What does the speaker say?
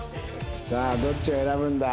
さあどっちを選ぶんだ？